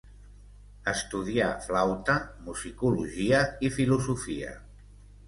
Estudià flauta, musicologia i filosofia.